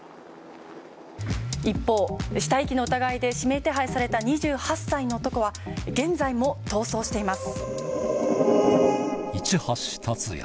一方死体遺棄の疑いで指名手配された２８歳の男は現在も逃走しています。